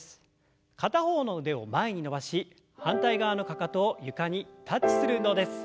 片方の腕を前に伸ばし反対側のかかとを床にタッチする運動です。